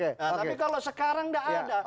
tapi kalau sekarang tidak ada